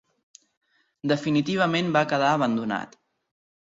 Definitivament va quedar abandonat.